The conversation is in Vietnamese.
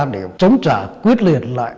để chống trả quyết liệt lại